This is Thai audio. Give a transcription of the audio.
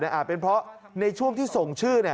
อาจเป็นเพราะในช่วงที่ส่งชื่อ